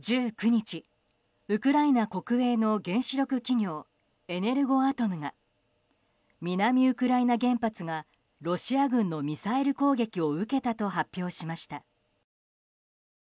１９日ウクライナ国営の原子力企業エネルゴアトムが南ウクライナ原発がロシア軍のミサイル攻撃を受けたと発表しました。